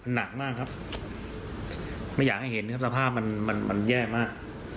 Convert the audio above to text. หนักมากครับไม่อยากให้เห็นครับสภาพมันแย่มาก